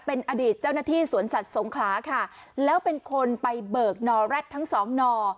เป็นอดีตเจ้าหน้าที่สวนสัตว์สงขลาค่ะแล้วเป็นคนไปเบิกนอแร็ดทั้งสองนอ